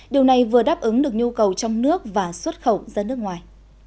điều này vừa đáp ứng được nhu cầu trong nước và xuất khẩu ra nước ngoài